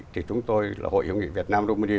thì chúng tôi là hội hữu nghị việt nam romani